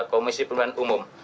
komisi pemilihan umum